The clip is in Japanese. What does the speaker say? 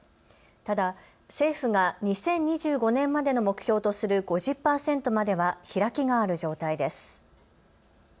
ただ政府が２０２５年までの目標とする５０％までは開きがある状態です。